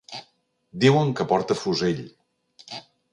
Diuen que porta fusell.